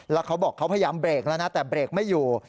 แล้วเขาบอกเขาพยายามเบรกแล้วนะแต่เบรกไม่อยู่